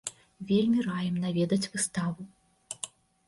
Вельмі раім наведаць выставу.